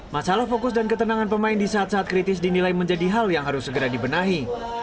masalah fokus dan ketenangan pemain di saat saat kritis dinilai menjadi hal yang harus segera dibenahi